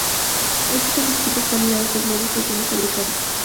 Existe distintas calidades de globo según el fabricante.